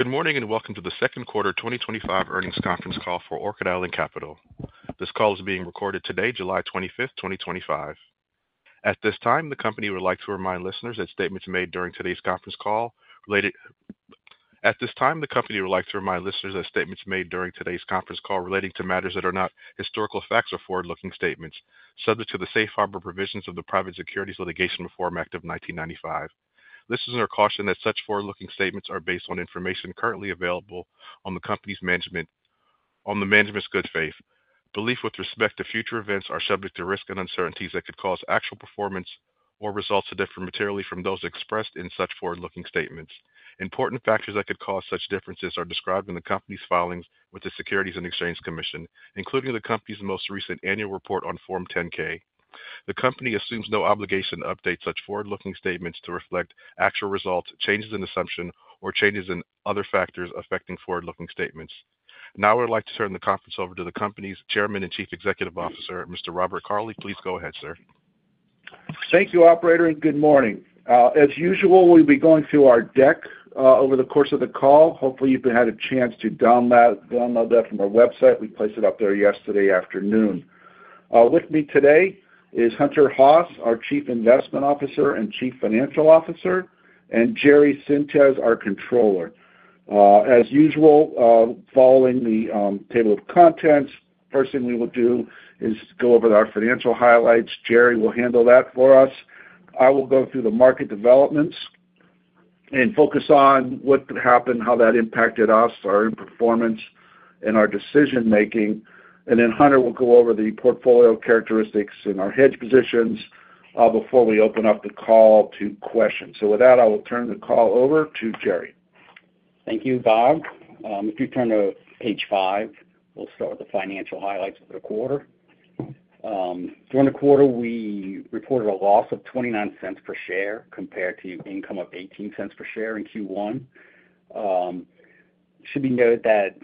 Good morning and welcome to the second quarter 2025 earnings conference call for Orchid Island Capital. This call is being recorded today, July 25th, 2025. At this time, the company would like to remind listeners that statements made during today's conference call relate to matters that are not historical facts or are forward-looking statements, subject to the safe harbor provisions of the Private Securities Litigation Reform Act of 1995. This is a caution that such forward-looking statements are based on information currently available and the company's management's good faith belief with respect to future events and are subject to risks and uncertainties that could cause actual performance or results to differ materially from those expressed in such forward-looking statements. Important factors that could cause such differences are described in the company's filings with the Securities and Exchange Commission, including the company's most recent annual report on Form 10-K. The company assumes no obligation to update such forward-looking statements to reflect actual results, changes in assumptions, or changes in other factors affecting forward-looking statements. Now I would like to turn the conference over to the company's Chairman and Chief Executive Officer, Mr. Robert Cauley. Please go ahead, sir. Thank you, Operator, and good morning. As usual, we'll be going through our deck over the course of the call. Hopefully, you've had a chance to download that from our website. We placed it up there yesterday afternoon. With me today is Hunter Haas, our Chief Investment Officer and Chief Financial Officer, and Jerry Sintes, our Controller. As usual, following the table of contents, the first thing we will do is go over our financial highlights. Jerry will handle that for us. I will go through the market developments and focus on what happened, how that impacted us, our performance, and our decision-making. Hunter will go over the portfolio characteristics and our hedge positions before we open up the call to questions. With that, I will turn the call over to Jerry. Thank you, Bob. If you turn to page five, we'll start with the financial highlights for the quarter. During the quarter, we reported a loss of $0.29 per share compared to income of $0.18 per share in Q1. It should be noted that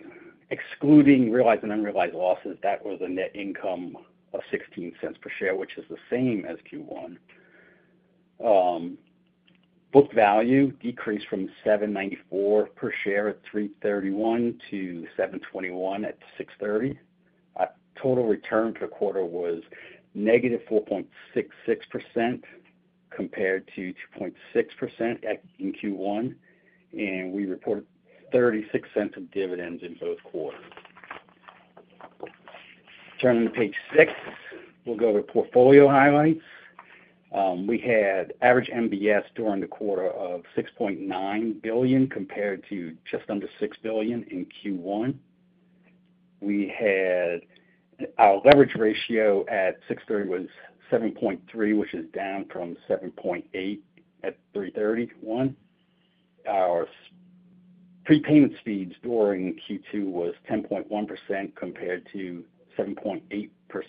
excluding realized and unrealized losses, that was a net income of $0.16 per share, which is the same as Q1. Book value decreased from $7.94 per share at 3/31 to $7.21 at 6/30. Total return for the quarter was -4.66% compared to 2.6% in Q1. We reported $0.36 of dividends in both quarters. Turning to page six, we'll go to portfolio highlights. We had average Agency MBS during the quarter of $6.9 billion compared to just under $6 billion in Q1. Our leverage ratio at 6/30 was 7.3, which is down from 7.8 at 3/31. Our prepayment speeds during Q2 were 10.1% compared to 7.8%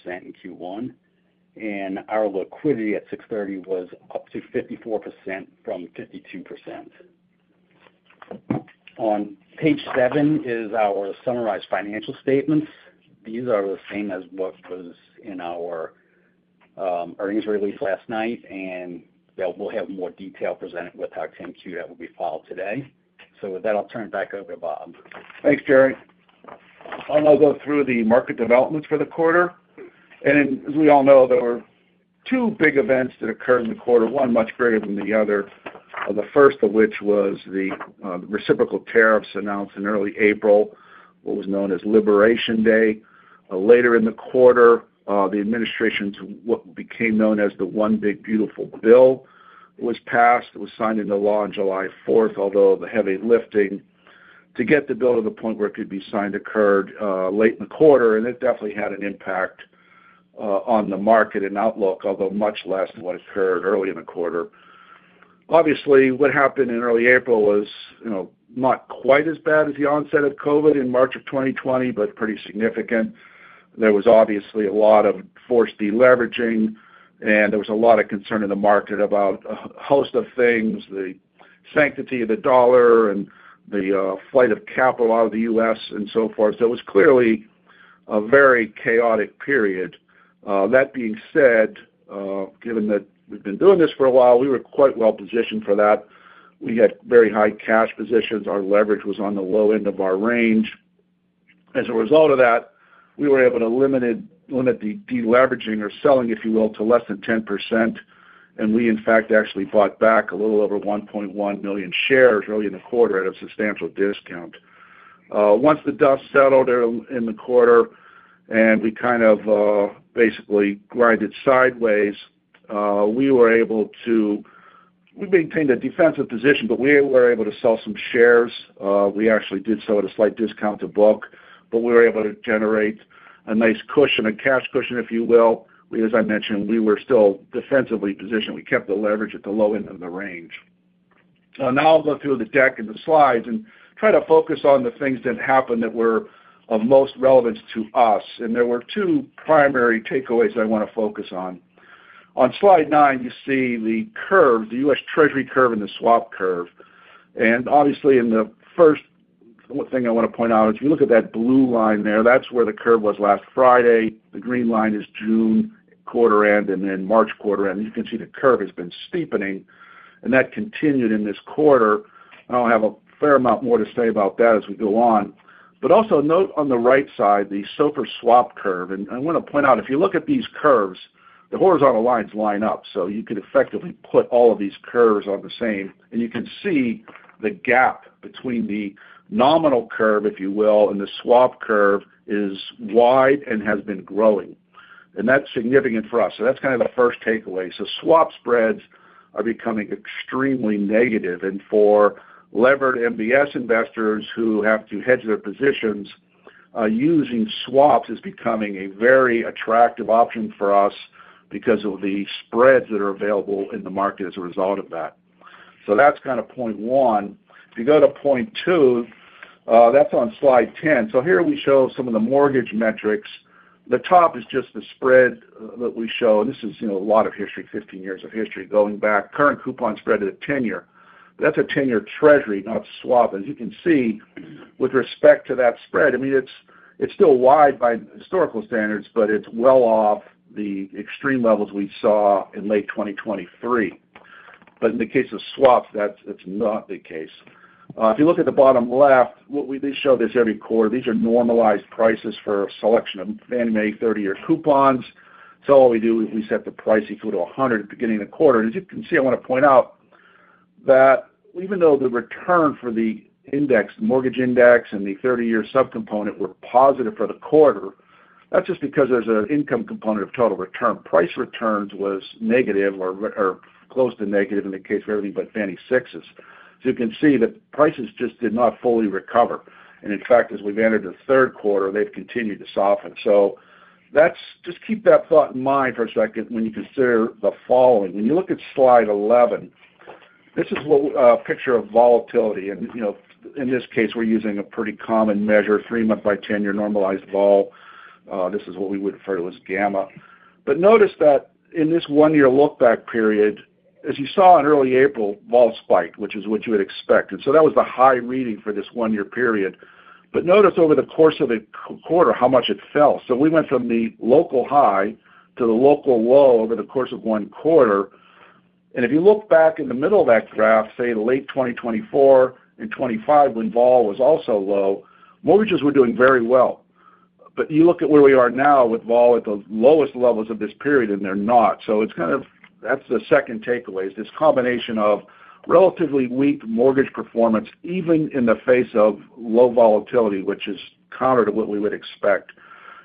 in Q1. Our liquidity at 6/30 was up to 54% from 52%. On page seven is our summarized financial statements. These are the same as what was in our earnings release last night, and we'll have more detail presented with our 10-Q that will be filed today. With that, I'll turn it back over to Bob. Thanks, Jerry. I'll go through the market developments for the quarter. As we all know, there were two big events that occurred in the quarter, one much greater than the other, the first of which was the reciprocal tariffs announced in early April, what was known as Liberation Day. Later in the quarter, the administration's what became known as the One Big Beautiful Bill was passed. It was signed into law on July 4th, although the heavy lifting to get the bill to the point where it could be signed occurred late in the quarter, and it definitely had an impact on the market and outlook, although much less than what occurred early in the quarter. Obviously, what happened in early April was, you know, not quite as bad as the onset of COVID in March of 2020, but pretty significant. There was obviously a lot of forced deleveraging, and there was a lot of concern in the market about a host of things, the sanctity of the dollar and the flight of capital out of the U.S. and so forth. It was clearly a very chaotic period. That being said, given that we've been doing this for a while, we were quite well positioned for that. We had very high cash positions. Our leverage was on the low end of our range. As a result of that, we were able to limit the deleveraging or selling, if you will, to less than 10%. We, in fact, actually bought back a little over 1.1 million shares, really in a quarter at a substantial discount. Once the dust settled in the quarter and we kind of basically grinded sideways, we were able to maintain a defensive position, but we were able to sell some shares. We actually did so at a slight discount to book, but we were able to generate a nice cushion, a cash cushion, if you will. As I mentioned, we were still defensively positioned. We kept the leverage at the low end of the range. Now I'll go through the deck and the slides and try to focus on the things that happened that were of most relevance to us. There were two primary takeaways that I want to focus on. On slide nine, you see the curve, the U.S. Treasury curve and the swap curve. Obviously, the first thing I want to point out is if you look at that blue line there, that's where the curve was last Friday. The green line is June quarter end and then March quarter end. You can see the curve has been steepening, and that continued in this quarter. I don't have a fair amount more to say about that as we go on. Also note on the right side, the SOFR swap curve. I want to point out, if you look at these curves, the horizontal lines line up. You could effectively put all of these curves on the same, and you can see the gap between the nominal curve, if you will, and the swap curve is wide and has been growing. That is significant for us. That is kind of the first takeaway. Swap spreads are becoming extremely negative. For levered MBS investors who have to hedge their positions, using swaps is becoming a very attractive option for us because of the spreads that are available in the market as a result of that. That is kind of point one. If you go to point two, that is on slide 10. Here we show some of the mortgage metrics. The top is just the spread that we show. This is a lot of history, 15 years of history going back. Current coupon spread is a 10-year. That is a 10-year Treasury, not a swap. As you can see, with respect to that spread, it is still wide by historical standards, but it is well off the extreme levels we saw in late 2023. In the case of swaps, that is not the case. If you look at the bottom left, we show this every quarter. These are normalized prices for a selection of many, many 30-year coupons. All we do, we set the price equal to 100 at the beginning of the quarter. As you can see, I want to point out that even though the return for the mortgage index and the 30-year subcomponent were positive for the quarter, that is just because there is an income component of total return. Price returns were negative or close to negative in the case of everything but Fannie 6s. You can see that prices just did not fully recover. In fact, as we have entered the third quarter, they have continued to soften. Keep that thought in mind, perspective, when you consider the following. When you look at slide 11, this is a picture of volatility. In this case, we are using a pretty common measure, three-month by 10-year normalized vol. This is what we would refer to as gamma. Notice that in this one-year look-back period, as you saw in early April, vol spiked, which is what you would expect. That was the high reading for this one-year period. Notice over the course of the quarter how much it fell. We went from the local high to the local low over the course of one quarter. If you look back in the middle of that graph, say late 2024 and 2025 when vol was also low, mortgages were doing very well. You look at where we are now with vol at the lowest levels of this period, and they're not. That's the second takeaway, this combination of relatively weak mortgage performance, even in the face of low volatility, which is counter to what we would expect.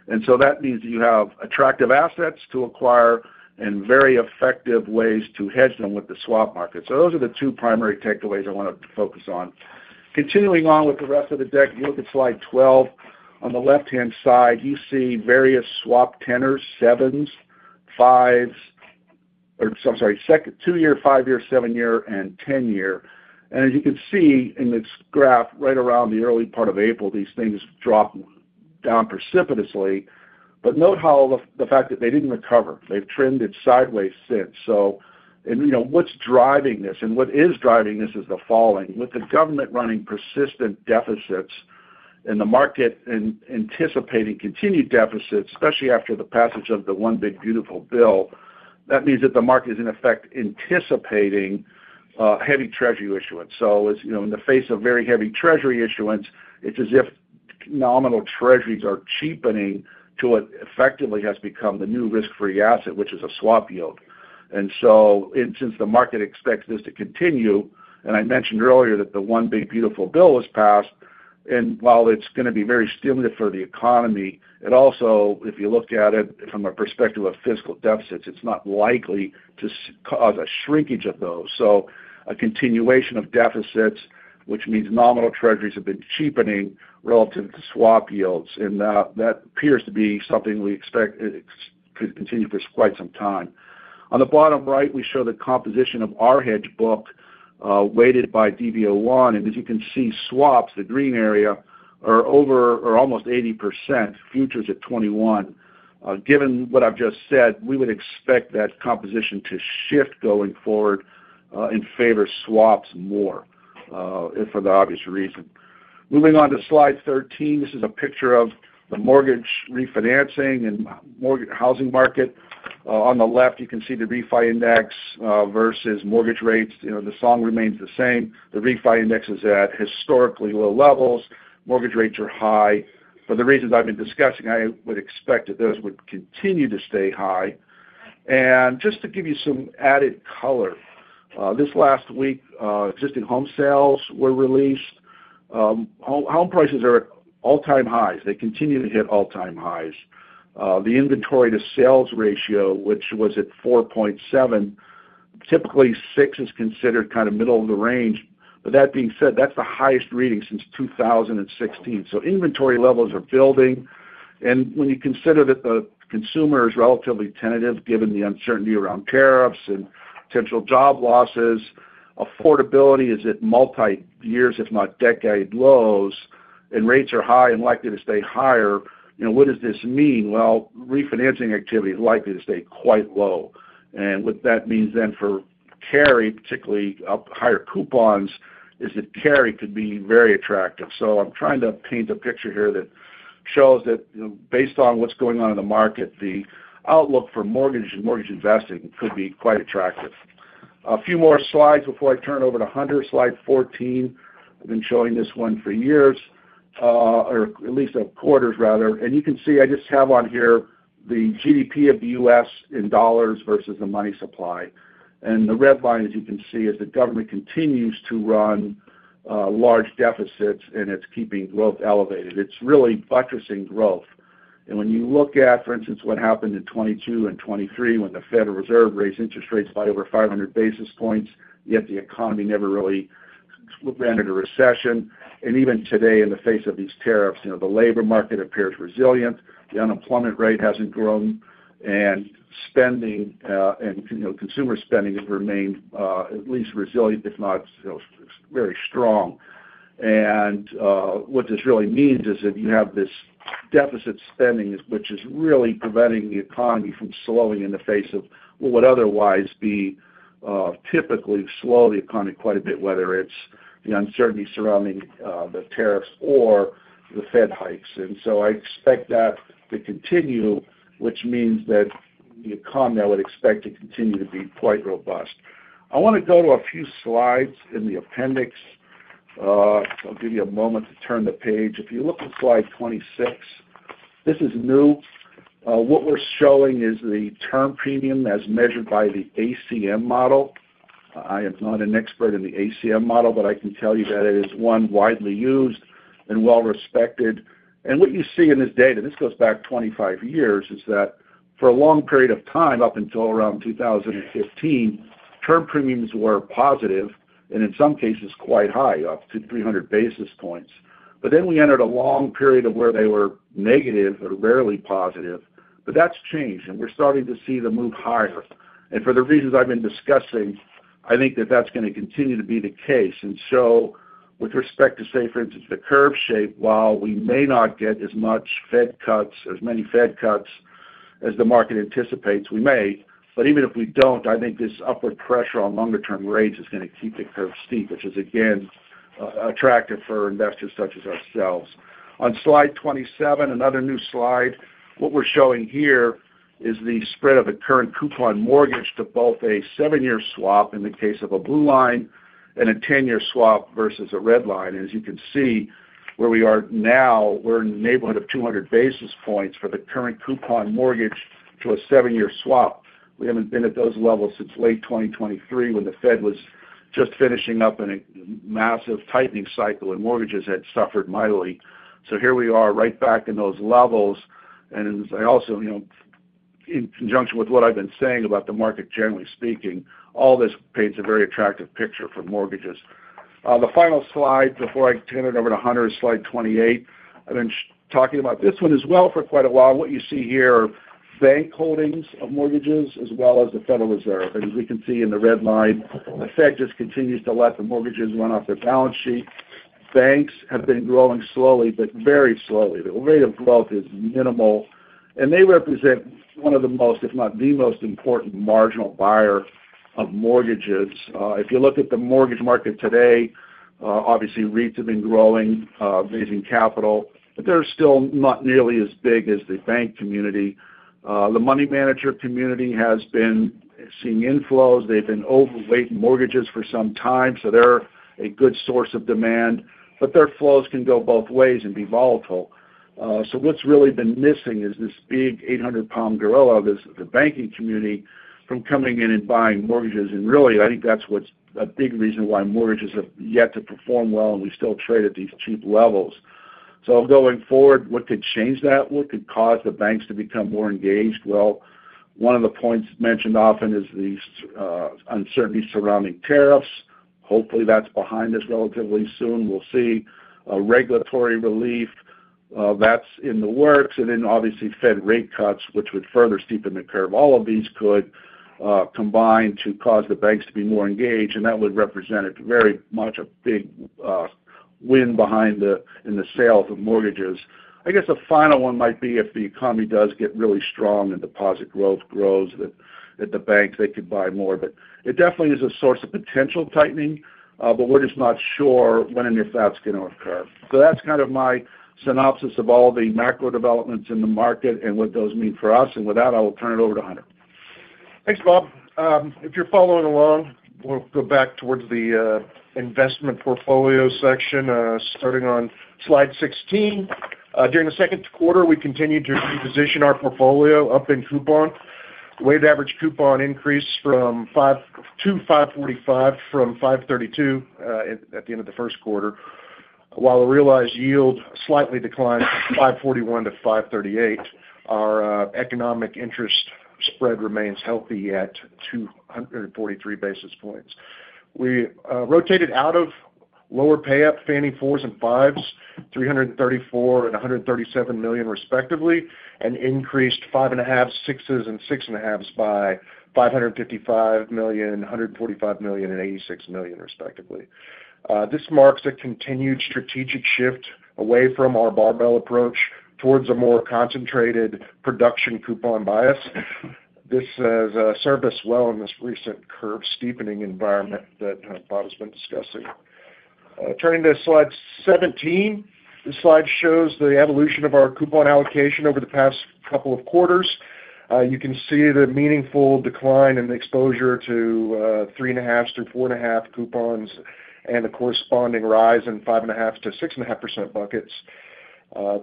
That means that you have attractive assets to acquire and very effective ways to hedge them with the swap market. Those are the two primary takeaways I wanted to focus on. Continuing on with the rest of the deck, if you look at slide 12, on the left-hand side, you see various swap tenors, 2-year, 5-year, 7-year, and 10-year. As you can see in this graph, right around the early part of April, these things dropped down precipitously. Note how the fact that they didn't recover. They've trended sideways since. You know what's driving this, and what is driving this is the following. With the government running persistent deficits and the market anticipating continued deficits, especially after the passage of the One Big Beautiful Bill, that means that the market is in effect anticipating a heavy Treasury issuance. As you know, in the face of very heavy Treasury issuance, it's as if nominal Treasuries are cheapening to what effectively has become the new risk-free asset, which is a swap yield. Since the market expects this to continue, and I mentioned earlier that the One Big Beautiful Bill was passed, while it's going to be very stimulating for the economy, if you look at it from a perspective of fiscal deficits, it's not likely to cause a shrinkage of those. A continuation of deficits means nominal Treasuries have been cheapening relative to swap yields. That appears to be something we expect to continue for quite some time. On the bottom right, we show the composition of our hedge book, weighted by DV01. As you can see, swaps, the green area, are over or almost 80%, futures at 21%. Given what I've just said, we would expect that composition to shift going forward, in favor of swaps more, for the obvious reason. Moving on to slide 13, this is a picture of the mortgage refinancing and housing market. On the left, you can see the refi index versus mortgage rates. The song remains the same. The refi index is at historically low levels. Mortgage rates are high. For the reasons I've been discussing, I would expect that those would continue to stay high. To give you some added color, this last week, existing home sales were released. Home prices are at all-time highs. They continue to hit all-time highs. The inventory to sales ratio, which was at 4.7, typically 6 is considered kind of middle of the range. That being said, that's the highest reading since 2016. Inventory levels are building. When you consider that the consumer is relatively tentative given the uncertainty around tariffs and potential job losses, affordability is at multi-year, if not decade lows, and rates are high and likely to stay higher. What does this mean? Refinancing activity is likely to stay quite low. What that means for carry, particularly up higher coupons, is that carry could be very attractive. I'm trying to paint a picture here that shows that, based on what's going on in the market, the outlook for mortgage and mortgage investing could be quite attractive. A few more slides before I turn over to Hunter, slide 14. I've been showing this one for years, or at least quarters, rather. You can see I just have on here the GDP of the U.S. in dollars versus the money supply. The red line, as you can see, is the government continues to run large deficits and it's keeping growth elevated. It's really buttressing growth. When you look at, for instance, what happened in 2022 and 2023 when the Federal Reserve raised interest rates by over 500 basis points, yet the economy never really ran into a recession. Even today, in the face of these tariffs, the labor market appears resilient. The unemployment rate hasn't grown, and consumer spending has remained, at least resilient, if not very strong. What this really means is that you have this deficit spending, which is really preventing the economy from slowing in the face of what would otherwise typically slow the economy quite a bit, whether it's the uncertainty surrounding the tariffs or the Fed hikes. I expect that to continue, which means that the economy I would expect to continue to be quite robust. I want to go to a few slides in the appendix. I'll give you a moment to turn the page. If you look at slide 26, this is new. What we're showing is the Term premium as measured by the ACM model. I am not an expert in the ACM model, but I can tell you that it is one widely used and well-respected. What you see in this data, and this goes back 25 years, is that for a long period of time, up until around 2015, Term premiums were positive, and in some cases, quite high, up to 300 basis points. We entered a long period where they were negative or rarely positive. That's changed, and we're starting to see them move higher. For the reasons I've been discussing, I think that that's going to continue to be the case. With respect to, for instance, the curve shape, while we may not get as many Fed cuts as the market anticipates, we may. Even if we don't, I think this upward pressure on longer-term rates is going to keep the curve steep, which is, again, attractive for investors such as ourselves. On slide 27, another new slide, what we're showing here is the spread of a current coupon mortgage to both a seven-year swap in the case of a blue line and a 10-year swap versus a red line. As you can see, where we are now, we're in the neighborhood of 200 basis points for the current coupon mortgage to a seven-year swap. We haven't been at those levels since late 2023 when the Fed was just finishing up in a massive tightening cycle and mortgages had suffered mightily. Here we are right back in those levels. In conjunction with what I've been saying about the market, generally speaking, all this paints a very attractive picture for mortgages. The final slide before I turn it over to Hunter is slide 28. I've been talking about this one as well for quite a while. What you see here are bank holdings of mortgages as well as the Federal Reserve. As we can see in the red line, the Fed just continues to let the mortgages run off their balance sheet. Banks have been growing slowly, but very slowly. The rate of growth is minimal. They represent one of the most, if not the most important marginal buyer of mortgages. If you look at the mortgage market today, obviously, REITs have been growing, raising capital, but they're still not nearly as big as the bank community. The money manager community has been seeing inflows. They've been overweight mortgages for some time, so they're a good source of demand. Their flows can go both ways and be volatile. What's really been missing is this big 800-pound gorilla of the banking community from coming in and buying mortgages. I think that's what's a big reason why mortgages have yet to perform well, and we still trade at these cheap levels. Going forward, what could change that? What could cause the banks to become more engaged? One of the points mentioned often is the uncertainty surrounding tariffs. Hopefully, that's behind us relatively soon. We'll see a regulatory relief that's in the works. Obviously, Fed rate cuts, which would further steepen the curve, could also play a role. All of these could combine to cause the banks to be more engaged. That would represent very much a big win behind the sales of mortgages. I guess the final one might be if the economy does get really strong and deposit growth grows, the banks could buy more. It definitely is a source of potential tightening, but we're just not sure when and if that's going to occur. That's kind of my synopsis of all the macro developments in the market and what those mean for us. With that, I will turn it over to Hunter. Thanks, Bob. If you're following along, we'll go back towards the investment portfolio section, starting on slide 16. During the second quarter, we continued to reposition our portfolio up in coupons. Weighted average coupon increased to $5.45 from $5.32 at the end of the first quarter. While the realized yield slightly declined from $5.41-$5.38, our economic interest spread remains healthy at 243 basis points. We rotated out of lower payout Fannie 4s and 5s, $334 million and $137 million, respectively, and increased 5.5s, 6s, and 6.5s by $555 million, $145 million, and $86 million, respectively. This marks a continued strategic shift away from our barbell approach towards a more concentrated production coupon bias. This has served us well in this recent curve steepening environment that Bob has been discussing. Turning to slide 17, this slide shows the evolution of our coupon allocation over the past couple of quarters. You can see the meaningful decline in the exposure to 3.5 through 4.5 coupons and the corresponding rise in 5.5 to 6.5% buckets.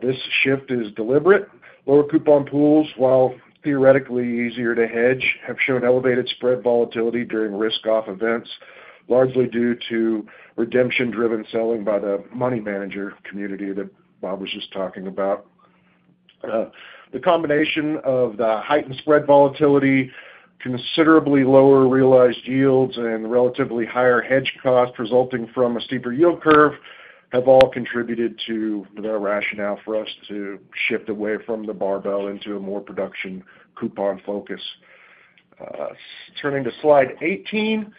This shift is deliberate. Lower coupon pools, while theoretically easier to hedge, have shown elevated spread volatility during risk-off events, largely due to redemption-driven selling by the money manager community that Bob was just talking about. The combination of the heightened spread volatility, considerably lower realized yields, and relatively higher hedge costs resulting from a steeper yield curve have all contributed to the rationale for us to shift away from the barbell into a more production coupon focus. Turning to slide 18,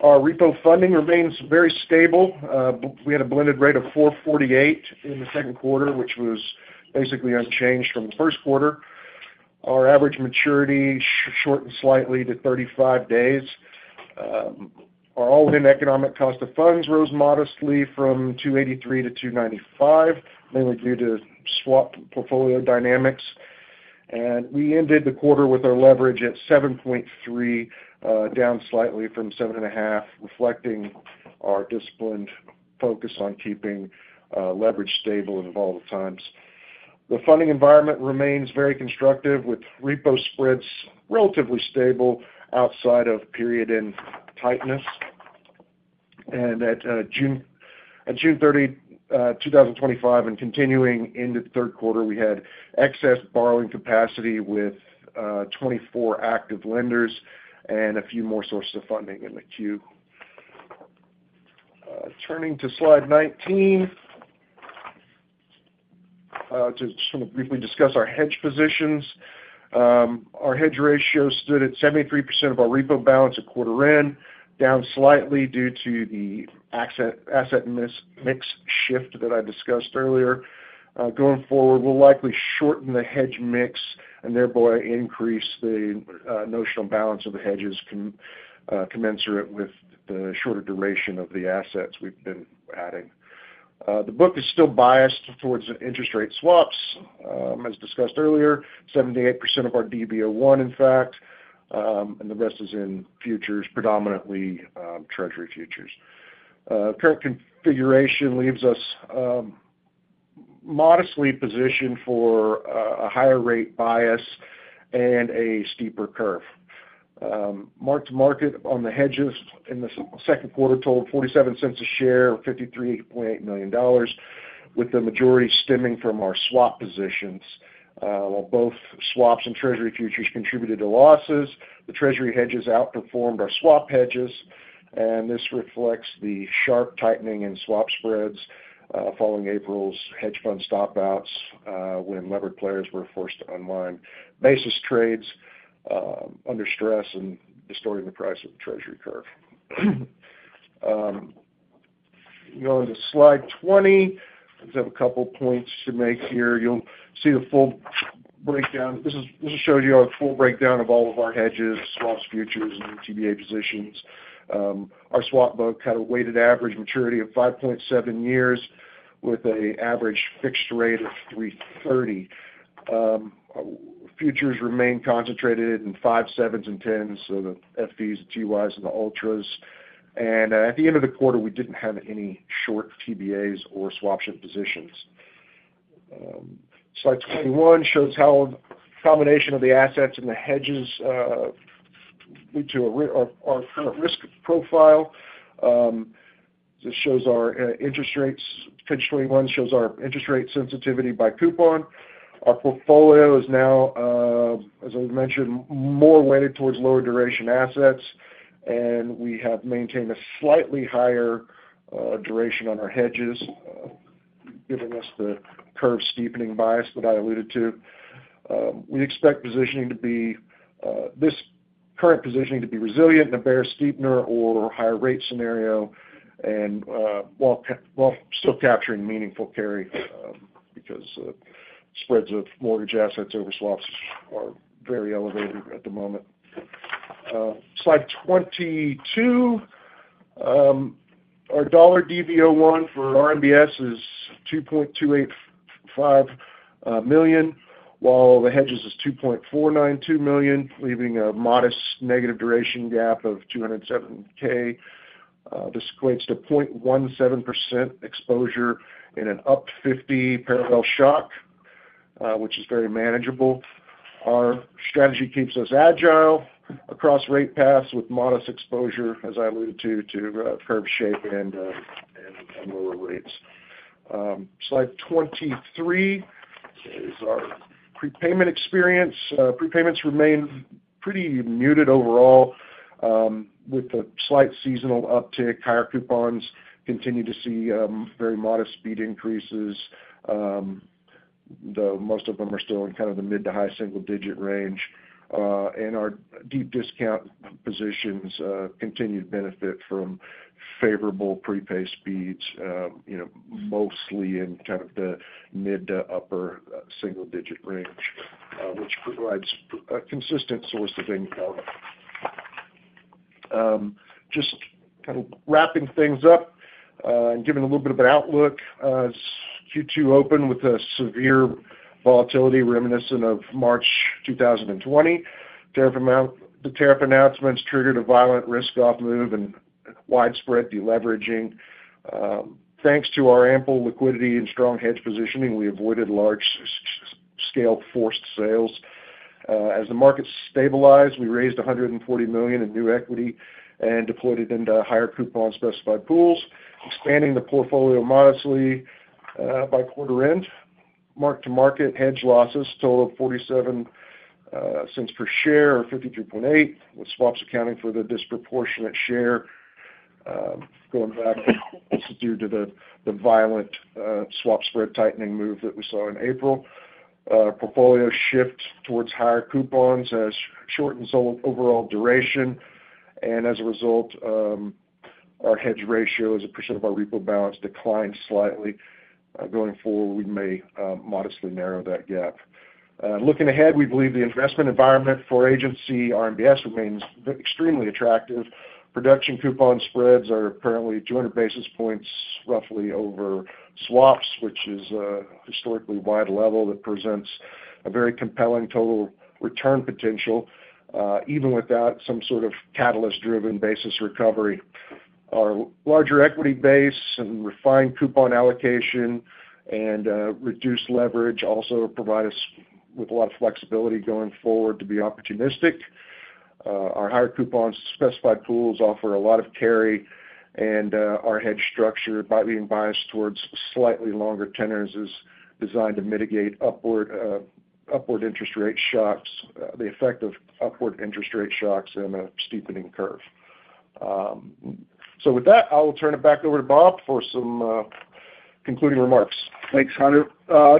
our repo funding remains very stable. We had a blended rate of $4.48 in the second quarter, which was basically unchanged from the first quarter. Our average maturity shortened slightly to 35 days. Our all-in economic cost of funds rose modestly from $2.83-$2.95, mainly due to swap portfolio dynamics. We ended the quarter with our leverage at 7.3, down slightly from 7.5, reflecting our disciplined focus on keeping leverage stable at all times. The funding environment remains very constructive, with repo spreads relatively stable outside of period in tightness. At June 30, 2025, and continuing into the third quarter, we had excess borrowing capacity with 24 active lenders and a few more sources of funding in the queue. Turning to slide 19, to sort of briefly discuss our hedge positions. Our hedge ratio stood at 73% of our repo balance at quarter end, down slightly due to the asset mix shift that I discussed earlier. Going forward, we'll likely shorten the hedge mix and thereby increase the notional balance of the hedges commensurate with the shorter duration of the assets we've been adding. The book is still biased towards interest rate swaps, as discussed earlier, 78% of our DV01, in fact, and the rest is in futures, predominantly Treasury futures. Current configuration leaves us modestly positioned for a higher rate bias and a steeper curve. Marked market on the hedges in the second quarter totaled $0.47 a share, $53.8 million, with the majority stemming from our swap positions. While both swaps and Treasury futures contributed to losses, the Treasury hedges outperformed our swap hedges. This reflects the sharp tightening in Swap spreads, following April's hedge fund stopouts, when levered players were forced to unwind basis trades, under stress and distorting the price of the Treasury curve. Going to slide 20, I just have a couple of points to make here. You'll see the full breakdown. This will show you a full breakdown of all of our hedges, swaps, futures, and TBA positions. Our swap book had a weighted average maturity of 5.7 years with an average fixed rate of $3.30. Futures remain concentrated in 5s, 7s, and 10s, so the FVs, the TYs, and the Ultras. At the end of the quarter, we didn't have any short TBAs or swapship positions. Slide 21 shows how a combination of the assets and the hedges, due to our kind of risk profile. This shows our interest rates. Page 21 shows our interest rate sensitivity by coupon. Our portfolio is now, as I mentioned, more weighted towards lower duration assets. We have maintained a slightly higher duration on our hedges, giving us the curve steepening bias that I alluded to. We expect this current positioning to be resilient in a bear steepener or higher rate scenario, while still capturing meaningful carry, because the spreads of mortgage assets over swaps are very elevated at the moment. Slide 22, our dollar DV01 for agency RMBS is $2.285 million, while the hedges is $2.492 million, leaving a modest negative duration gap of $207,000. This equates to 0.17% exposure in an up to 50 parallel shock, which is very manageable. Our strategy keeps us agile across rate paths with modest exposure, as I alluded to, to a curve shake and some lower weights. Slide 23, here's our prepayment experience. Prepayments remain pretty muted overall, with a slight seasonal uptick. Higher coupons continue to see very modest speed increases, though most of them are still in kind of the mid to high single-digit range. Our deep discount positions continue to benefit from favorable prepayment speeds, mostly in kind of the mid to upper single-digit range, which provides a consistent source of income. Just kind of wrapping things up and giving a little bit of an outlook. Q2 opened with a severe volatility reminiscent of March 2020. The tariff announcements triggered a violent risk-off move and widespread deleveraging. Thanks to our ample liquidity and strong hedge positioning, we avoided large-scale forced sales. As the market stabilized, we raised $140 million in new equity and deployed it into higher coupon-specified pools, expanding the portfolio modestly by quarter-end. Marked to market hedge losses totaled $0.47 per share or $0.538, with swaps accounting for the disproportionate share, going back. It's due to the violent swap spread tightening move that we saw in April. Our portfolio shift towards higher coupons has shortened overall duration. As a result, our hedge ratio as a percent of our repo balance declined slightly. Going forward, we may modestly narrow that gap. Looking ahead, we believe the investment environment for agency RMBS remains extremely attractive. Production coupon spreads are apparently 200 basis points roughly over swaps, which is a historically wide level that presents a very compelling total return potential, even without some sort of catalyst-driven basis recovery. Our larger equity base and refined coupon allocation and reduced leverage also provide us with a lot of flexibility going forward to be opportunistic. Our higher coupon-specified pools offer a lot of carry, and our hedge structure, by being biased towards slightly longer tenors, is designed to mitigate the effect of upward interest rate shocks and a steepening curve. With that, I'll turn it back over to Bob for some concluding remarks. Thanks, Hunter.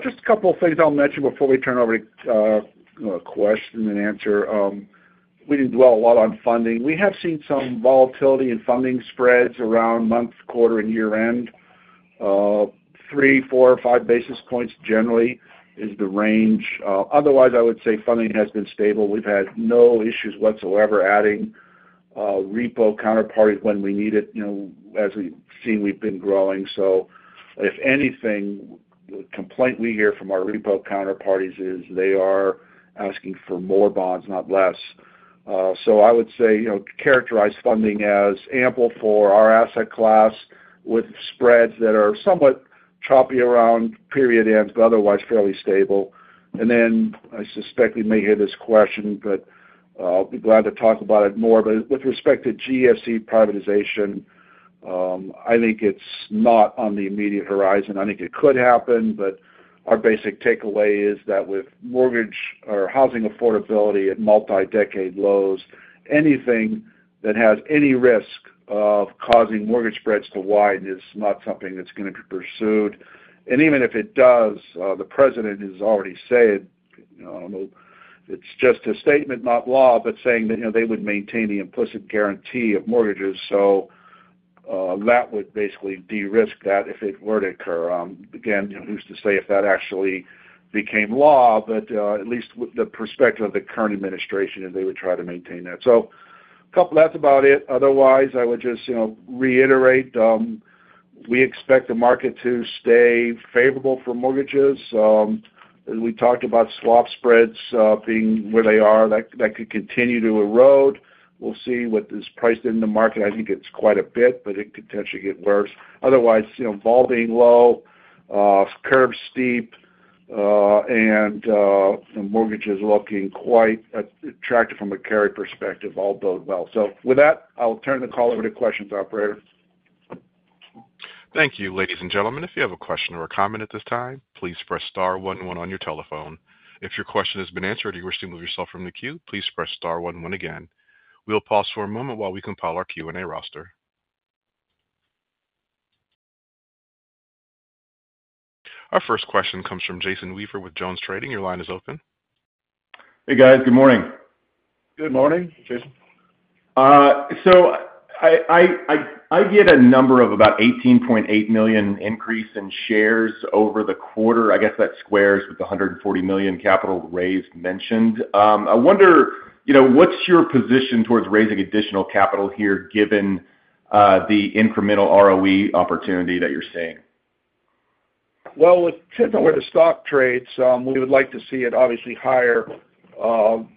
Just a couple of things I'll mention before we turn over to a question and answer. We didn't dwell a lot on funding. We have seen some volatility in funding spreads around month, quarter, and year-end. Three, four, or five basis points generally is the range. Otherwise, I would say funding has been stable. We've had no issues whatsoever adding repo counterparties when we need it. As we've seen, we've been growing. If anything, the complaint we hear from our repo counterparties is they are asking for more bonds, not less. I would say, characterize funding as ample for our asset class with spreads that are somewhat choppy around period ends, but otherwise fairly stable. I suspect we may hear this question, but I'll be glad to talk about it more. With respect to GSE privatization, I think it's not on the immediate horizon. I think it could happen, but our basic takeaway is that with mortgage or housing affordability at multi-decade lows, anything that has any risk of causing mortgage spreads to widen is not something that's going to be pursued. Even if it does, the president has already said, I don't know, it's just a statement, not law, but saying that they would maintain the implicit guarantee of mortgages. That would basically de-risk that if it were to occur. Again, who's to say if that actually became law, but at least with the perspective of the current administration, they would try to maintain that. That's about it. Otherwise, I would just reiterate, we expect the market to stay favorable for mortgages. We talked about Swap spreads being where they are. That could continue to erode. We'll see what is priced in the market. I think it's quite a bit, but it could potentially get worse. Otherwise, vol being low, curve steep, and mortgages looking quite attractive from a carry perspective all bode well. With that, I'll turn the call over to questions, operator. Thank you, ladies and gentlemen. If you have a question or a comment at this time, please press star one and one on your telephone. If your question has been answered or you wish to move yourself from the queue, please press star one and one again. We'll pause for a moment while we compile our Q&A roster. Our first question comes from Jason Weaver with JonesTrading. Your line is open. Hey, guys. Good morning. Good morning, Jason. I get a number of about 18.8 million increase in shares over the quarter. I guess that squares with the $140 million capital raised mentioned. I wonder, you know, what's your position towards raising additional capital here given the incremental ROE opportunity that you're seeing? It is sitting over the stock trades. We would like to see it obviously higher.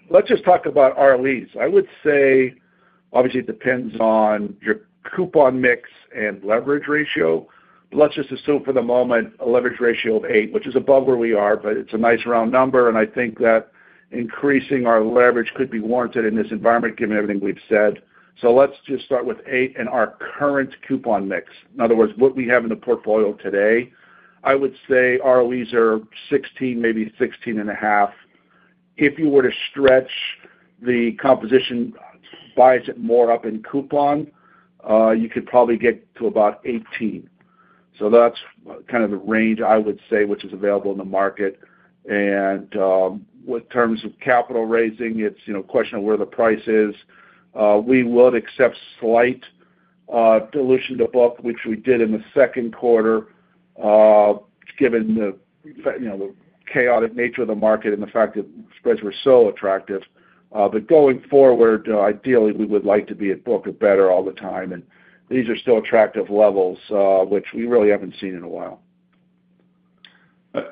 Let's just talk about ROEs. I would say, obviously, it depends on your coupon mix and leverage ratio. Let's just assume for the moment a leverage ratio of 8, which is above where we are, but it's a nice round number. I think that increasing our leverage could be warranted in this environment given everything we've said. Let's just start with 8 and our current coupon mix. In other words, what we have in the portfolio today, I would say ROEs are 16, maybe 16.5. If you were to stretch the composition, buy it more up in coupon, you could probably get to about 18. That is kind of the range I would say, which is available in the market. With terms of capital raising, it's a question of where the price is. We would accept slight dilution to book, which we did in the second quarter, given the chaotic nature of the market and the fact that spreads were so attractive. Going forward, ideally, we would like to be at book or better all the time. These are still attractive levels, which we really haven't seen in a while.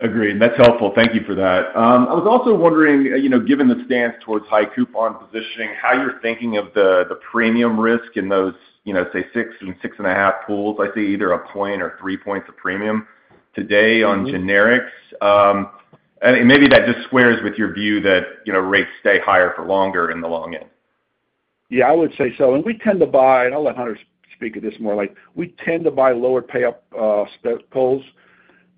Agreed. That's helpful, thank you for that. I was also wondering, given the stance towards high coupon positioning, how you're thinking of the premium risk in those, you know, say, 6% and 6.5% coupon pools. I see either a point or 3 points of premium today on generics, and maybe that just squares with your view that, you know, rates stay higher for longer in the long end. Yeah, I would say so. We tend to buy, and I'll let Hunter speak to this more, we tend to buy lower pay-up pools.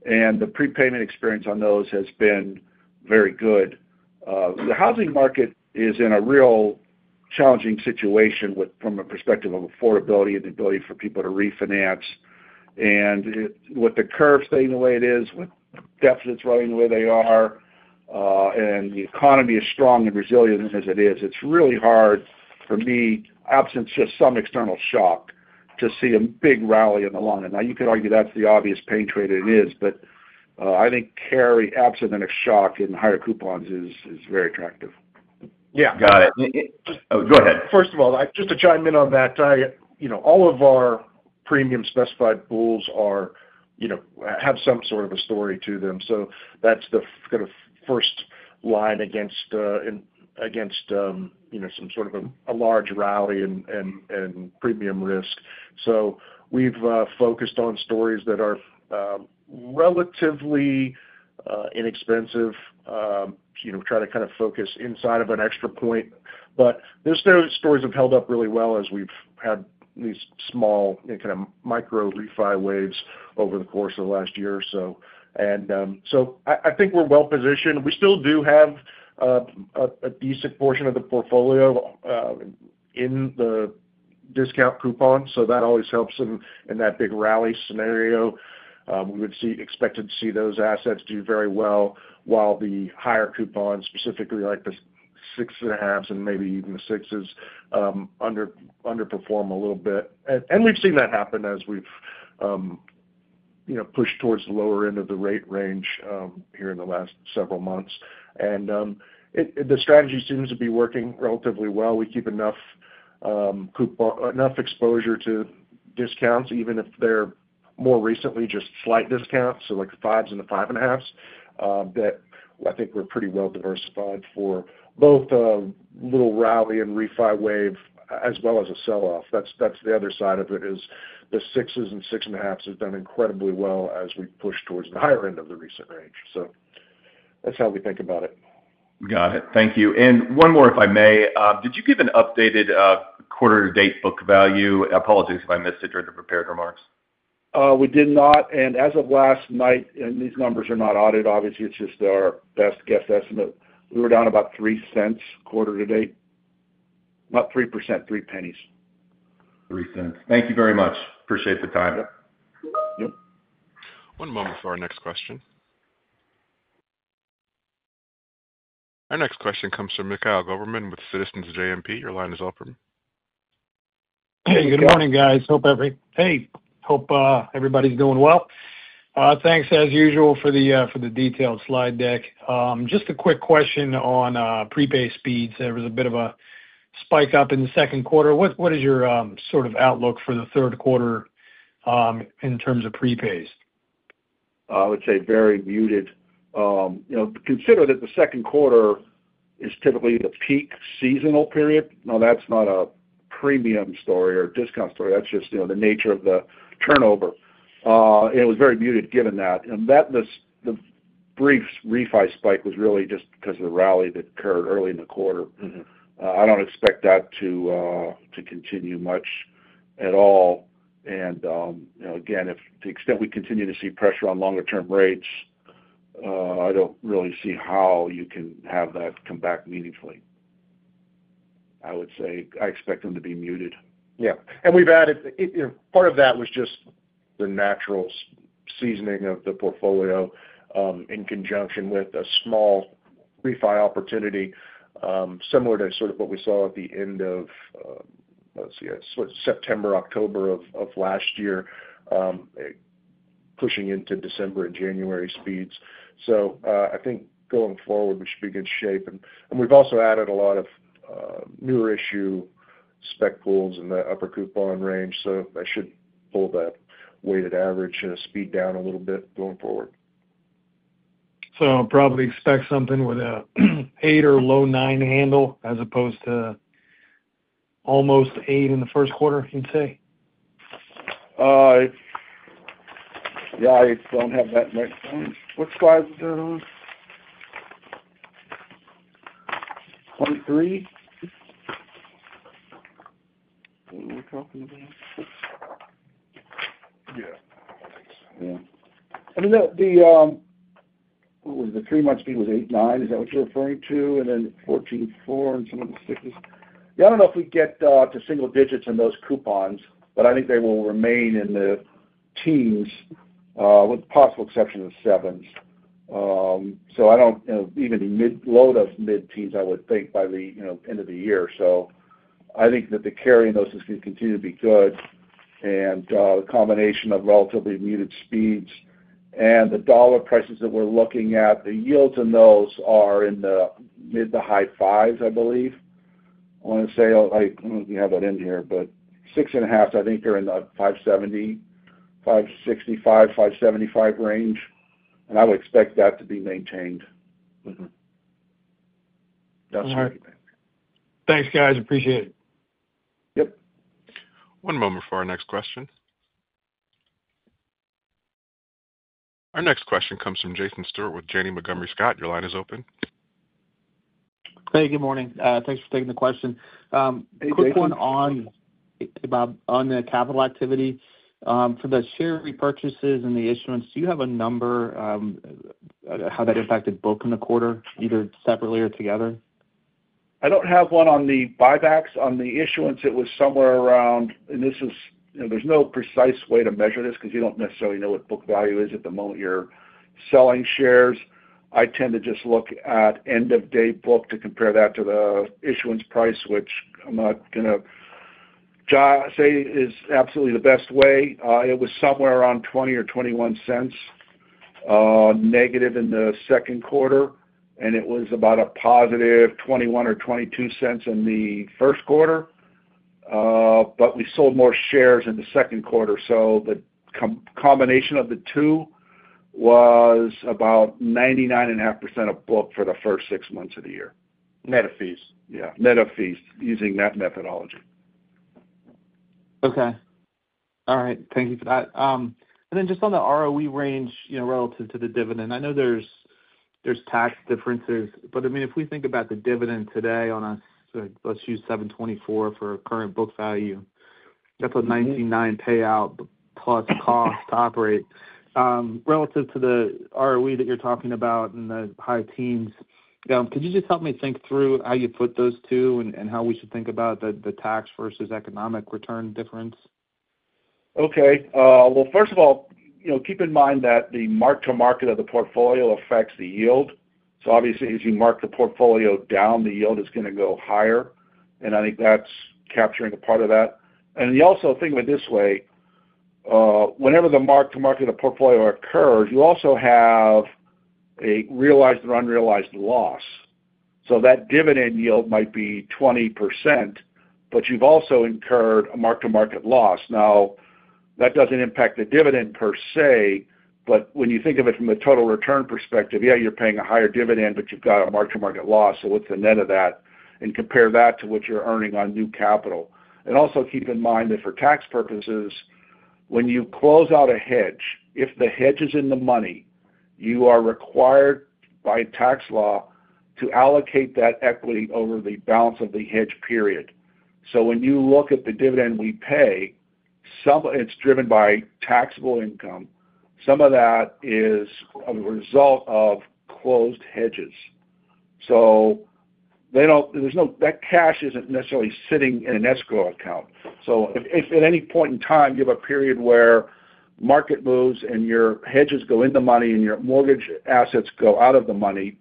The prepayment experience on those has been very good. The housing market is in a real challenging situation from a perspective of affordability and the ability for people to refinance. With the curve staying the way it is, with deficits running the way they are, and the economy as strong and resilient as it is, it's really hard for me, absent just some external shock, to see a big rally in the long end. You could argue that's the obvious pain trade it is, but I think carry, absent a shock in higher coupons, is very attractive. Got it. Go ahead. First of all, I just want to chime in on that. You know, all of our premium-specified pools have some sort of a story to them. That's the first line against some sort of a large rally and premium risk. We've focused on stories that are relatively inexpensive, you know, try to kind of focus inside of an extra point. Those stories have held up really well as we've had these small, kind of micro refi waves over the course of the last year or so. I think we're well positioned. We still do have a decent portion of the portfolio in the discount coupon, so that always helps in that big rally scenario. We would expect to see those assets do very well while the higher coupons, specifically like the six and a halves and maybe even the sixes, underperform a little bit. We've seen that happen as we've pushed towards the lower end of the rate range here in the last several months. The strategy seems to be working relatively well. We keep enough exposure to discounts, even if they're more recently just slight discounts, so like the fives and the five and a halves, that I think we're pretty well diversified for both a little rally and refi wave as well as a sell-off. The other side of it is the sixes and six and a halves have done incredibly well as we push towards the higher end of the recent range. That's how we think about it. Got it. Thank you. One more, if I may, did you give an updated, quarter-to-date book value? I apologize if I missed it during the prepared remarks. We did not. As of last night, and these numbers are not audited, obviously, it's just our best guess estimate. We were down about $0.03 quarter to date, about 3%, 3 pennies. $0.03. Thank you very much. Appreciate the time. Yep. Yep. One moment for our next question. Our next question comes from Mikhail Goberman with Citizens JMP. Your line is open. Hey, good morning, guys. Hope everybody's doing well. Thanks, as usual, for the detailed slide deck. Just a quick question on prepayment speeds. There was a bit of a spike up in the second quarter. What is your sort of outlook for the third quarter, in terms of prepay? I would say very muted. You know, consider that the second quarter is typically the peak seasonal period. Now, that's not a premium story or a discount story. That's just, you know, the nature of the turnover. It was very muted given that. The brief refi spike was really just because of the rally that occurred early in the quarter. I don't expect that to continue much at all. You know, again, if to the extent we continue to see pressure on longer-term rates, I don't really see how you can have that come back meaningfully. I would say I expect them to be muted. Yeah, we've added that. Part of that was just the natural seasoning of the portfolio, in conjunction with a small refi opportunity, similar to what we saw at the end of, let's see, I switched September, October of last year, pushing into December and January speeds. I think going forward, we should be in good shape. We've also added a lot of newer issue spec pools in the upper coupon range. That should hold that weighted average and speed down a little bit going forward. I'll probably expect something with an eight or low nine handle as opposed to almost eight in the first quarter, you'd say? Yeah, I don't have that right in front of me. What slide was that on? On three? Let me look up. Yeah. Yeah. I know the, what was the three-month speed was eight, nine. Is that what you're referring to? Fourteenth floor and some of the stickers. I don't know if we get to single digits in those coupons, but I think they will remain in the teens, with possible exception of sevens. I don't, even the mid or low to mid teens, I would think, by the end of the year. I think that the carry in those is going to continue to be good. The combination of relatively muted speeds and the dollar prices that we're looking at, the yields in those are in the mid to high fives, I believe. I want to say, I don't know if you have that in here, but six and a half, I think they're in the 5.70, 5.65, 5.75 range. I would expect that to be maintained. Mm-hmm. All right. Thanks, guys. Appreciate it. Yep. One moment for our next question. Our next question comes from Jason Stewart with Janney Montgomery Scott. Your line is open. Hey, good morning. Thanks for taking the question. Hey, Jason. Bob, on the capital activity, for the share repurchases and the issuance, do you have a number, how that impacted book in the quarter, either separately or together? I don't have one on the buybacks. On the issuance, it was somewhere around, and this is, you know, there's no precise way to measure this because you don't necessarily know what book value is at the moment you're selling shares. I tend to just look at end-of-day book to compare that to the issuance price, which I'm not going to say is absolutely the best way. It was somewhere around $0.20 or $0.21, negative in the second quarter. It was about a positive $0.21 or $0.22 in the first quarter. We sold more shares in the second quarter. The combination of the two was about 99.5% of book for the first six months of the year. Net of fees. Yeah, net of fees using that methodology. Okay. All right. Thank you for that. Then just on the ROE range, you know, relative to the dividend, I know there's tax differences, but I mean, if we think about the dividend today on a, let's use $7.24 for a current book value, that's a 9.9% payout plus cost to operate. Relative to the ROE that you're talking about in the high teens, could you just help me think through how you put those two and how we should think about the tax versus economic return difference? Okay. First of all, keep in mind that the mark-to-market of the portfolio affects the yield. Obviously, as you mark the portfolio down, the yield is going to go higher. I think that's capturing a part of that. You also think of it this way. Whenever the mark-to-market of the portfolio occurs, you also have a realized or unrealized loss. That dividend yield might be 20%, but you've also incurred a mark-to-market loss. That doesn't impact the dividend per se, but when you think of it from the total return perspective, you're paying a higher dividend, but you've got a mark-to-market loss. What's the net of that? Compare that to what you're earning on new capital. Also keep in mind that for tax purposes, when you close out a hedge, if the hedge is in the money, you are required by tax law to allocate that equity over the balance of the hedge period. When you look at the dividend we pay, some of it's driven by taxable income. Some of that is a result of closed hedges. That cash isn't necessarily sitting in an escrow account. If at any point in time you have a period where market moves and your hedges go in the money and your mortgage assets go out of the money,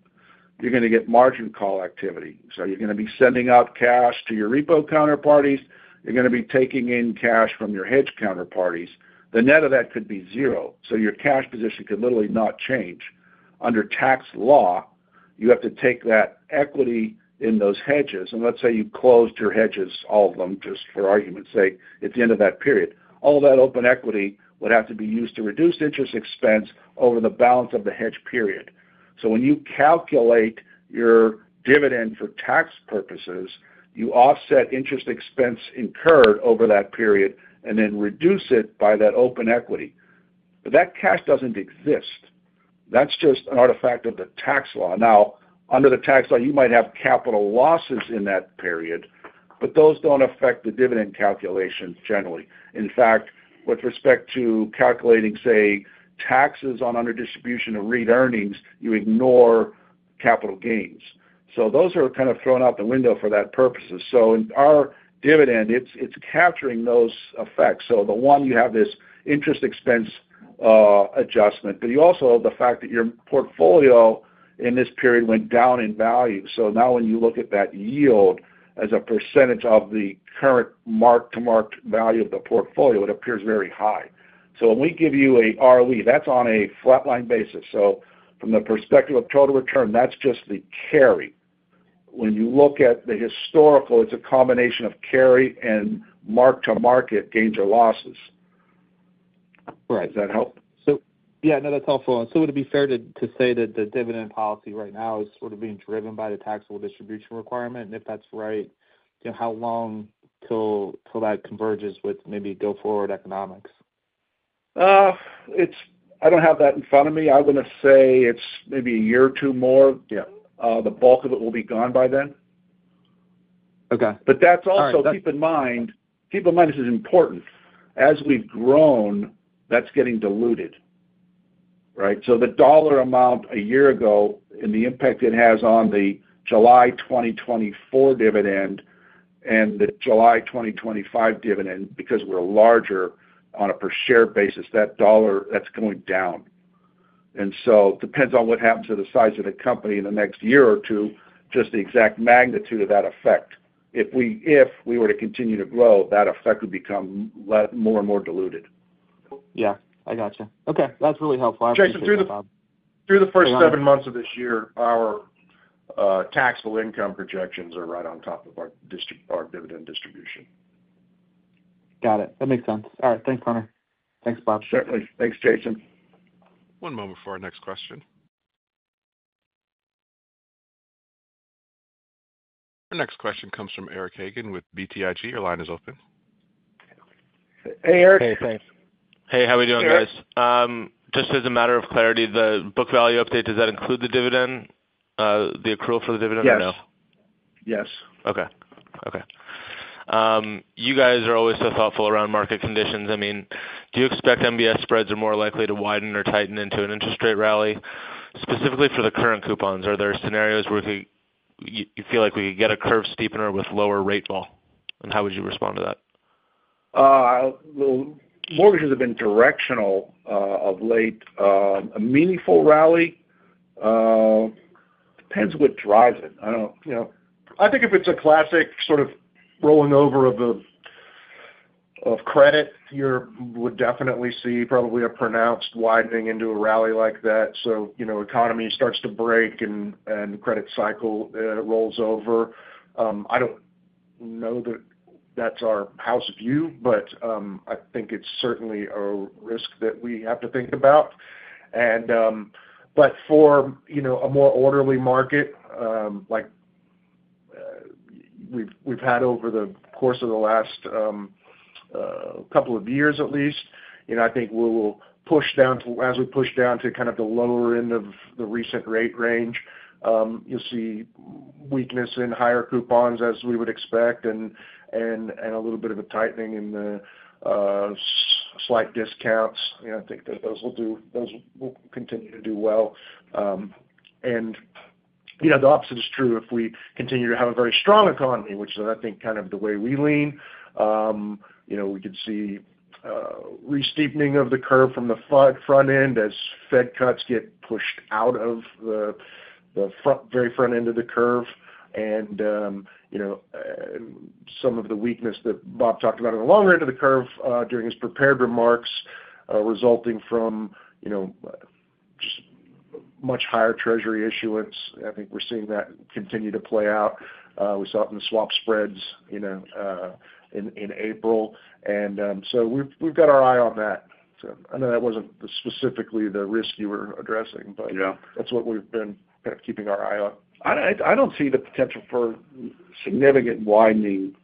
you're going to get margin call activity. You're going to be sending out cash to your repo counterparties. You're going to be taking in cash from your hedge counterparties. The net of that could be zero. Your cash position could literally not change. Under tax law, you have to take that equity in those hedges. Let's say you closed your hedges, all of them, just for argument's sake, at the end of that period. All of that open equity would have to be used to reduce interest expense over the balance of the hedge period. When you calculate your dividend for tax purposes, you offset interest expense incurred over that period and then reduce it by that open equity. That cash doesn't exist. That's just an artifact of the tax law. Under the tax law, you might have capital losses in that period, but those don't affect the dividend calculations generally. In fact, with respect to calculating, say, taxes on under-distribution of REIT earnings, you ignore capital gains. Those are kind of thrown out the window for that purpose. In our dividend, it's capturing those effects. The one, you have this interest expense adjustment. You also have the fact that your portfolio in this period went down in value. Now when you look at that yield as a percentage of the current mark-to-market value of the portfolio, it appears very high. When we give you an ROE, that's on a flat line basis. From the perspective of total return, that's just the carry. When you look at the historical, it's a combination of carry and mark-to-market gains or losses. Right. Does that help? Yeah, no, that's helpful. Would it be fair to say that the dividend policy right now is sort of being driven by the taxable distribution requirement? If that's right, how long till that converges with maybe go-forward economics? I don't have that in front of me. I'm going to say it's maybe a year or two more. Yeah, the bulk of it will be gone by then. Okay. Keep in mind this is important. As we've grown, that's getting diluted, right? The dollar amount a year ago and the impact it has on the July 2024 dividend and the July 2025 dividend, because we're larger on a per-share basis, that dollar, that's going down. It depends on what happens to the size of the company in the next year or two, just the exact magnitude of that effect. If we were to continue to grow, that effect would become less and more diluted. Yeah, I got you. Okay. That's really helpful. Jason, through the first seven months of this year, our taxable income projections are right on top of our dividend distribution. Got it. That makes sense. All right. Thanks, Hunter. Thanks, Bob. Certainly. Thanks, Jason. One moment for our next question. Our next question comes from Eric Hagen with BTIG. Your line is open. Hey, Eric. Hey, thanks. Hey, how are you doing, guys? Just as a matter of clarity, the book value update, does that include the dividend, the accrual for the dividend or no? Yes. Yes. Okay. You guys are always so thoughtful around market conditions. Do you expect Agency MBS spreads are more likely to widen or tighten into an interest rate rally? Specifically for the Current coupons, are there scenarios where you feel like we could get a curve steepener with lower rate vol? How would you respond to that? Mortgages have been directional of late. A meaningful rally depends what drives it. I don't know. You know. I think if it's a classic sort of rolling over of credit, you would definitely see probably a pronounced widening into a rally like that. You know, economy starts to break and credit cycle rolls over. I don't know that that's our house view, but I think it's certainly a risk that we have to think about. For a more orderly market, like we've had over the course of the last couple of years at least, I think as we push down to kind of the lower end of the recent rate range, you'll see weakness in higher coupons as we would expect and a little bit of a tightening in the flight discount. I think those will continue to do well. You know, the opposite is true. If we continue to have a very strong economy, which is, I think, kind of the way we lean, we could see re-steepening of the curve from the front end as Fed cuts get pushed out of the very front end of the curve. Some of the weakness that Bob talked about at the longer end of the curve during his prepared remarks, resulting from just much higher Treasury issuance, I think we're seeing that continue to play out. We saw it in the Swap spreads in April, and we've got our eye on that. I know that wasn't specifically the risk you were addressing, but that's what we've been kind of keeping our eye on. I don't see the potential for significant widening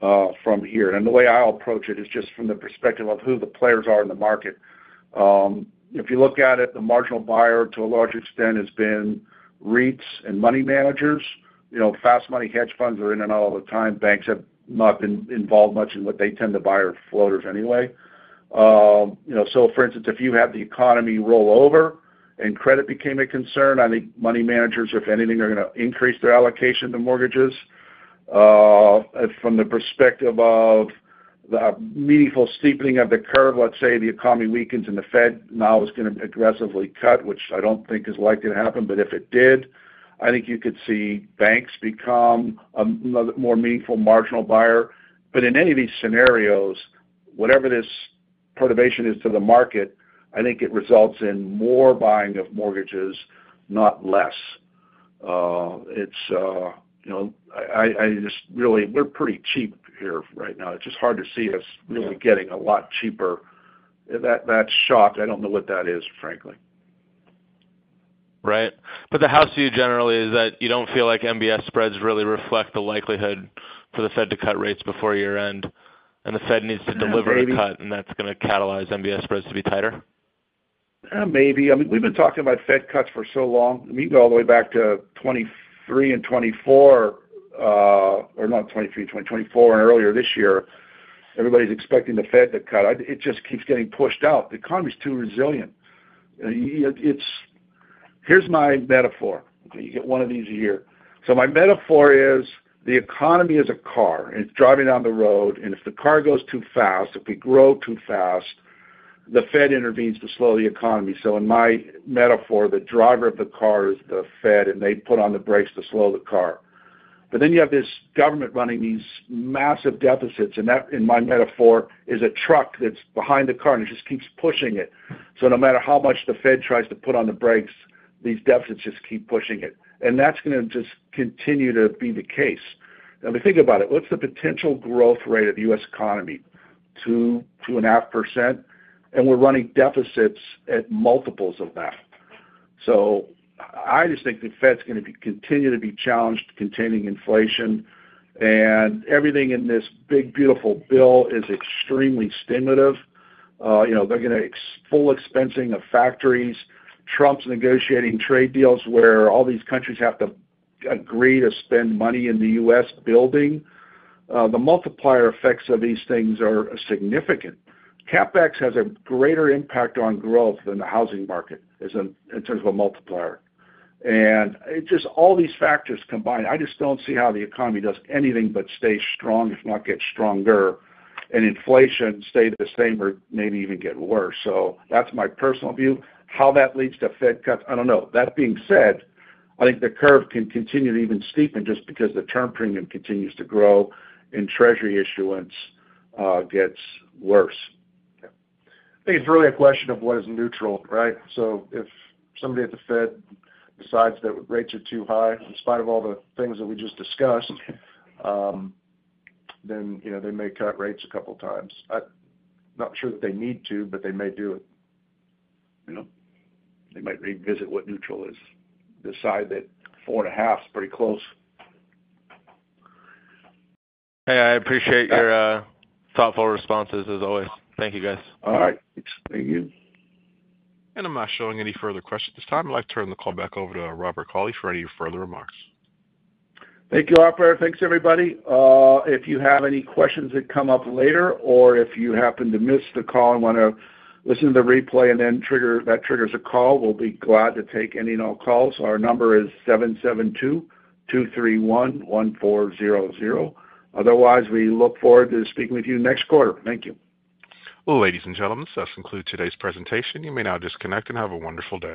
from here. The way I'll approach it is just from the perspective of who the players are in the market. If you look at it, the marginal buyer to a large extent has been REITs and money managers. You know, fast money hedge funds are in and out all the time. Banks have not been involved much, and what they tend to buy are floaters anyway. For instance, if you have the economy rollover and credit became a concern, I think money managers, if anything, are going to increase their allocation to mortgages. From the perspective of the meaningful steepening of the curve, let's say the economy weakens and the Fed now is going to aggressively cut, which I don't think is likely to happen. If it did, I think you could see banks become another more meaningful marginal buyer. In any of these scenarios, whatever this perturbation is to the market, I think it results in more buying of mortgages, not less. We're pretty cheap here right now. It's just hard to see us really getting a lot cheaper. That shock, I don't know what that is, frankly. Right. The house view generally is that you don't feel like Agency MBS spreads really reflect the likelihood for the Fed to cut rates before year-end. The Fed needs to deliver a cut, and that's going to catalyze Agency MBS spreads to be tighter? Maybe. I mean, we've been talking about Fed cuts for so long. I mean, you go all the way back to 2023 and 2024, or not 2023, 2024, and earlier this year, everybody's expecting the Fed to cut. It just keeps getting pushed out. The economy's too resilient. Here's my metaphor. You get one of these a year. My metaphor is the economy is a car, and it's driving down the road. If the car goes too fast, if we grow too fast, the Fed intervenes to slow the economy. In my metaphor, the driver of the car is the Fed, and they put on the brakes to slow the car. You have this government running these massive deficits, and that, in my metaphor, is a truck that's behind the car, and it just keeps pushing it. No matter how much the Fed tries to put on the brakes, these deficits just keep pushing it. That's going to just continue to be the case. Now, if you think about it, what's the potential growth rate of the U.S. economy? Two, 2.5%. We're running deficits at multiples of that. I just think the Fed's going to continue to be challenged containing inflation. Everything in this big, beautiful bill is extremely stimulative. They're going to full expensing of factories, Trump's negotiating trade deals where all these countries have to agree to spend money in the U.S. building. The multiplier effects of these things are significant. CapEx has a greater impact on growth than the housing market in terms of a multiplier. All these factors combined, I just don't see how the economy does anything but stay strong, if not get stronger, and inflation stay the same or maybe even get worse. That's my personal view. How that leads to Fed cuts, I don't know. That being said, I think the curve can continue to even steepen just because the Term premium continues to grow and Treasury issuance gets worse. I think it's really a question of what is neutral, right? If somebody at the Fed decides that rates are too high, in spite of all the things that we just discussed, then they may cut rates a couple of times. I'm not sure that they need to, but they may do it. They might revisit what neutral is. Decide that 4.5% is pretty close. Hey, I appreciate your thoughtful responses as always. Thank you, guys. All right. Thank you. I'm not showing any further questions at this time. I'd like to turn the call back over to Robert Cauley for any further remarks. Thank you, Arthur. Thanks, everybody. If you have any questions that come up later or if you happen to miss the call and want to listen to the replay and then that triggers a call, we'll be glad to take any and all calls. Our number is 772-231-1400. Otherwise, we look forward to speaking with you next quarter. Thank you. Ladies and gentlemen, this concludes today's presentation. You may now disconnect and have a wonderful day.